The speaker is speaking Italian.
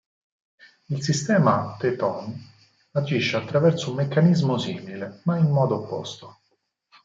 Il sistema Tet-on agisce attraverso un meccanismo simile, ma in modo opposto.